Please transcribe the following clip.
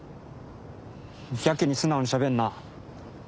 やけに素直にしゃべんな。